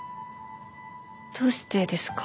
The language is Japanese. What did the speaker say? どうしてですか？